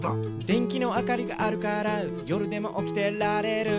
「でんきのあかりがあるからよるでもおきてられる」